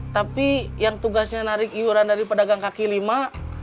tapi yang tugasnya narik iuran dari pedagang kaki lima